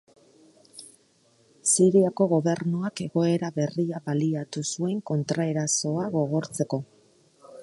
Siriako Gobernuak egoera berria baliatu zuen kontraerasoa gogortzeko.